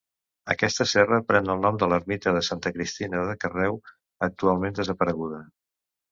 Aquesta serra pren el nom de l'ermita de Santa Cristina de Carreu, actualment desapareguda.